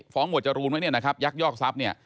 ฟ้องหมวดจรูนไหมนนี่นะครับยักษ์ยอกทรัพย์นี้